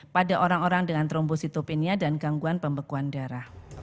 pada orang orang dengan trombositopenia dan gangguan pembekuan darah